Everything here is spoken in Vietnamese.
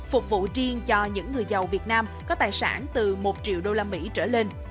phục vụ riêng cho những người giàu việt nam có tài sản từ một triệu usd trở lên